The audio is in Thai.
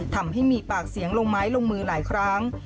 ทำให้มีปากเสียงลงไม้ลงมือหลายครั้ง